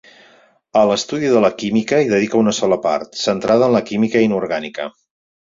A l’estudi de la química hi dedica una sola part, centrada en la química inorgànica.